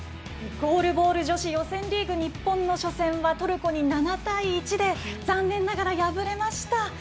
ゴールボール女子予選リーグ日本初戦はトルコに７対１で残念ながら敗れました。